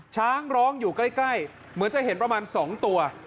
ร้องอยู่ใกล้เหมือนจะเห็นประมาณ๒ตัว